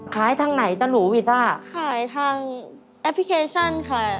ทางไหนจะหรูวิดอ่ะขายทางแอปพลิเคชันค่ะ